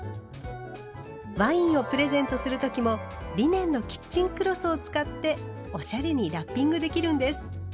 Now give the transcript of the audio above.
ワインをプレゼントする時もリネンのキッチンクロスを使っておしゃれにラッピングできるんです。